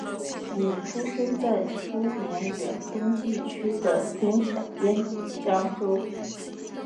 闵出生在苏联远东地区的滨海边疆州。